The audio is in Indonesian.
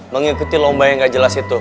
mengikuti lomba yang gak jelas itu